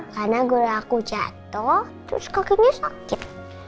karena guru aku jatuh terus kakinya sakit